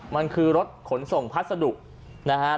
มันคือรถขนส่งพัสดุนะฮะ